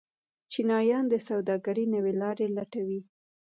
چینایان د سوداګرۍ نوې لارې لټوي.